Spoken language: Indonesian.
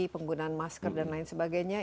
penggunaan masker dan lain sebagainya